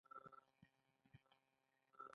د کائناتي ویب فیلامنټونه لري.